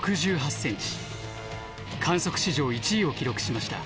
観測史上１位を記録しました。